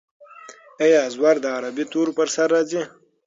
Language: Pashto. آیا زور د عربي تورو پر سر راځي؟